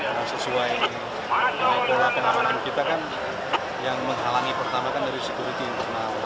yang sesuai dengan pola penamanan kita kan yang menghalangi pertama kan dari security internal